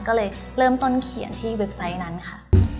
ก็เลยเริ่มต้นเขียนที่เว็บไซต์นั้นค่ะ